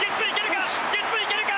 ゲッツーいけるか？